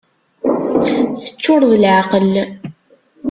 Teččur d leεqel!